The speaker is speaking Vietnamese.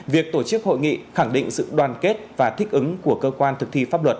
việc tổ chức hội nghị khẳng định sự đoàn kết và thích ứng của cơ quan thực thi pháp luật